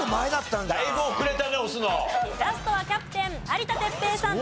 ラストはキャプテン有田哲平さん。